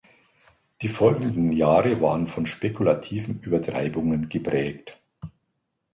Die folgenden Jahre waren von spekulativen Übertreibungen geprägt.